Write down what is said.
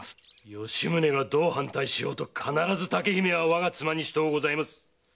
吉宗がどう反対しようと必ず竹姫は我が妻にします。